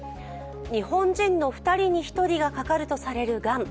日本人の２人に１人がかかるとされるがん。